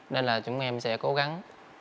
nên chúng em sẽ cố gắng